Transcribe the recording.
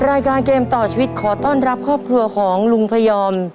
รายการเกมต่อชีวิตขอต้อนรับครอบครัวของลุงพยอม